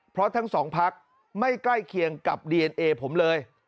เพราะทั้งสองพักไม่ใกล้เคียงกับดีเอนเอผมเลย